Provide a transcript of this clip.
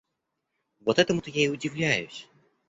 Вот этому-то я удивляюсь